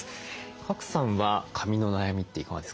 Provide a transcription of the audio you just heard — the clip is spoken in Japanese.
賀来さんは髪の悩みっていかがですか？